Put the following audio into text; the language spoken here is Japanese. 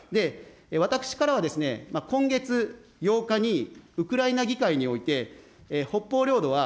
私からは今月８日にウクライナ議会において、北方領土は、